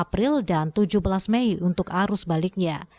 di terminal penumpang laut terbesar seindonesia timur indonesia